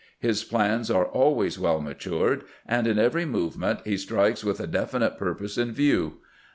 His plans are always well matured, and in every movement he strikes with a definite pur pose in view.